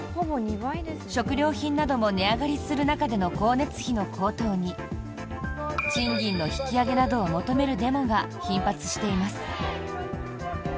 食料品なども値上がりする中での光熱費の高騰に賃金の引き上げなどを求めるデモが頻発しています。